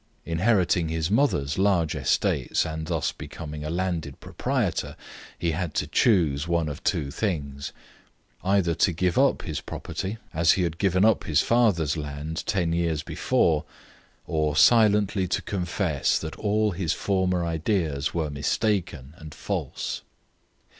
Inheriting his mother's large estates, and thus becoming a landed proprietor, he had to choose one of two things: either to give up his property, as he had given up his father's land ten years before, or silently to confess that all his former ideas were mistaken and false.